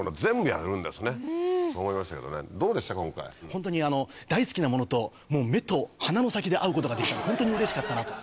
ホントに大好きなものともう目と鼻の先で会うことができたんでホントにうれしかったなと。